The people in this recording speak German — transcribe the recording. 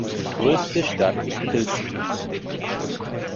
Größte Stadt ist Pilsen.